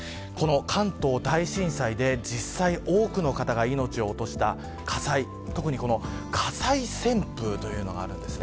関東大震災で実際、多くの方が命を落とした火災、特にこの火災旋風というのがあるんです。